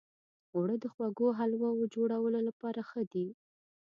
اوړه د خوږو حلوو جوړولو لپاره ښه دي